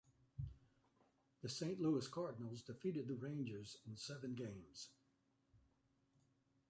The Saint Louis Cardinals defeated the Rangers in seven games.